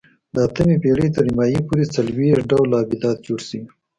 د اتمې پېړۍ تر نیمایي پورې څلوېښت دا ډول آبدات جوړ شوي